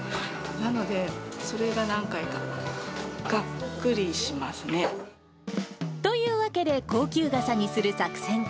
なので、それが何回か、がっくりというわけで、高級傘にする作戦。